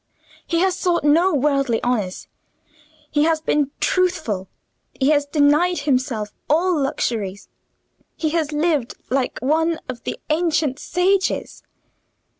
"He has sought no worldly honours; he has been truthful; he has denied himself all luxuries; he has lived like one of the ancient sages.